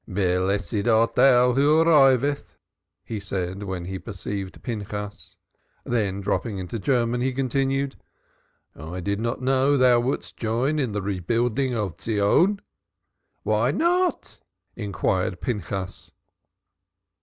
"Blessed art thou who arrivest," he said when he perceived Pinchas. Then dropping into German he continued "I did not know you would join in the rebuilding of Zion." "Why not?" inquired Pinchas.